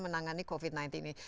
menangani covid sembilan belas ini